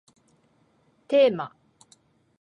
テーマ